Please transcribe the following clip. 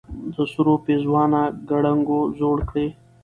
د سرو پېزوانه ګړنګو زوړ کړې